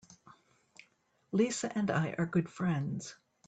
Lisa and I are good friends.